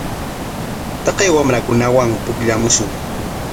Taqay wamrakunawan pukllamushun.